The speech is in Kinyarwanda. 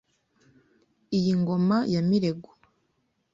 Iyi ngoma ya Mirego